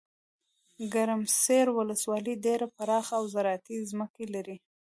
ګرمسیرولسوالۍ ډیره پراخه اوزراعتي ځمکي لري.